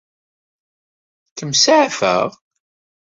Ad kem-saɛfeɣ?